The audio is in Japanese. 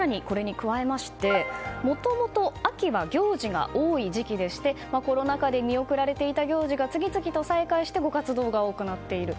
更にもともと秋は行事が多い時期でしてコロナ禍で見送られていた行事が次々と再開してご活動が多くなっている。